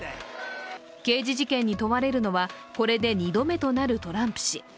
刑事事件に問われるのはこれで２度目となるトランプ氏。